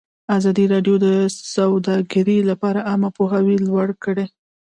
ازادي راډیو د سوداګري لپاره عامه پوهاوي لوړ کړی.